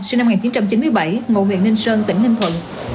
sinh năm một nghìn chín trăm chín mươi bảy ngụ huyện ninh sơn tỉnh ninh thuận